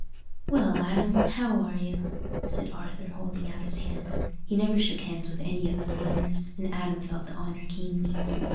"Well, Adam, how are you?" said Arthur, holding out his hand. He never shook hands with any of the farmers, and Adam felt the honour keenly.